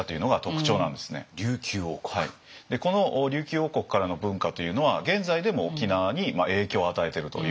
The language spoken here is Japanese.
でこの琉球王国からの文化というのは現在でも沖縄に影響を与えているということなんですよ。